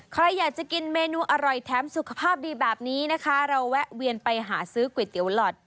ใครอยากจะกินเมนูอร่อยแถมสุขภาพดีแบบนี้นะคะเราแวะเวียนไปหาซื้อก๋วยเตี๋ยวหลอด